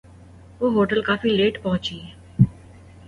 وہ ہوٹل کافی لیٹ پہنچی